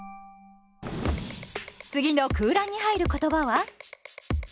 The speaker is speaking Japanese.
次の空欄に入る言葉は？